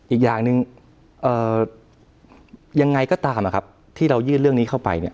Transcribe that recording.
อีกอย่างหนึ่งยังไงก็ตามที่เรายื่นเรื่องนี้เข้าไป